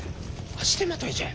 足手まといじゃ。